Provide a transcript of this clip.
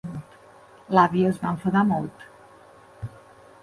L'àvia es va enfadar molt.